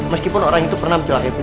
meskipun orang itu pernah mencelakai putri